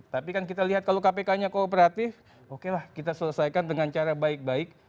tapi kan kita lihat kalau kpk nya kooperatif oke lah kita selesaikan dengan cara baik baik